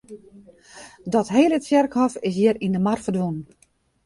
Dat hele tsjerkhôf is hjir yn de mar ferdwûn.